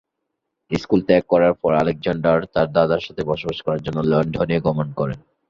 School ত্যাগ করার পর আলেকজান্ডার তার দাদার সাথে বসবাস করার জন্য লন্ডনে গমন করেন।